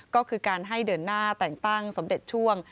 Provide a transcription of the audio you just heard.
ก็คือการให้เดินหน้าแต่งตั้งสมเด็จช่วง